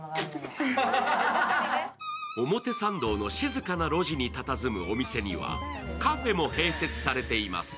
表参道の静かな路地にたたずむお店にはカフェも併設されています。